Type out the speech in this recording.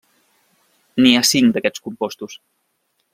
N'hi ha cinc d'aquests compostos.